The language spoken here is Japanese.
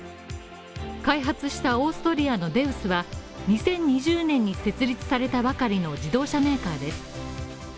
開発したオーストリアのデウスは２０２０年に設立されたばかりの自動車メーカーです。